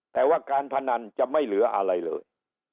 แต่ว่าการพนันจะไม่เหลืออะไรเลย